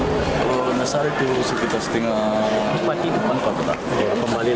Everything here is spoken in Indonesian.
kalau nasar itu setinggal